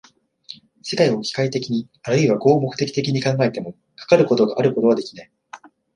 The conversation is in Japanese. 世界を機械的にあるいは合目的的に考えても、かかることがあることはできない。